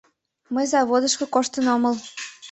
— Мый заводышко коштын омыл.